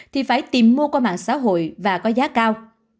thì phải tìm mua qua mạng xã hội và có giá cao